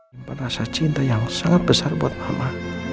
memperasa cinta yang sangat besar buat mama